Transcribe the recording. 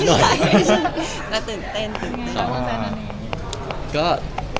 ต้องกล่าว